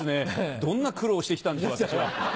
どんな苦労してきたんでしょう、私は。